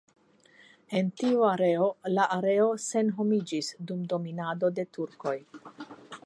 En tiu areo la areo senhomiĝis dum dominado de turkoj.